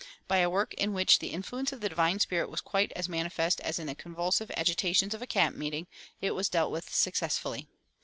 By a work in which the influence of the divine Spirit was quite as manifest as in the convulsive agitations of a camp meeting, it was dealt with successfully.